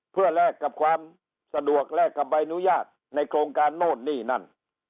เพื่อแลกกับความสะดวกแลกกับใบอนุญาตในโครงการโน่นนี่นั่น